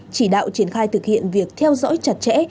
chỉ đạo triển khai thực hiện việc theo dõi chặt chẽ